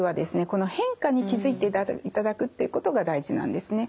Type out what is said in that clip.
この変化に気づいていただくっていうことが大事なんですね。